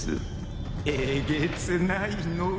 えげつないのを！